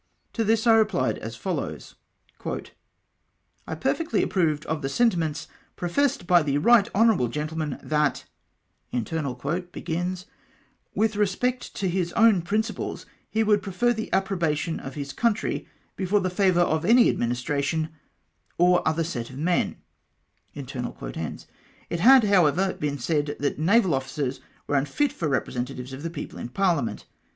To this I rephed as follows :—" I perfectly approved of the sentiments professed by the right honourable gentleman, that ' with respect to his own principles, he would prefer the approbation of his country before the favour of any administration, or other set of men.' It had, however, been said, that naval officers were unfit for representatives of the people in parliament.